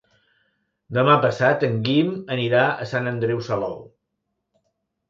Demà passat en Guim anirà a Sant Andreu Salou.